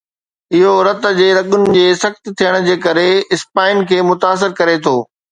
اهو رت جي رڳن جي سخت ٿيڻ جي ڪري اسپائن کي متاثر ڪري ٿو